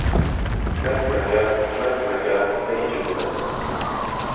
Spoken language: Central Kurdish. مهک مهکه، مهک مهکه مهیجۆڵێنه